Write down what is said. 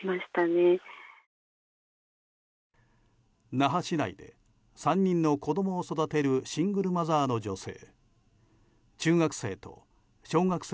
那覇市内で３人の子供を育てるシングルマザーの女性。